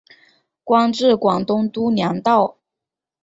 官至广东督粮道。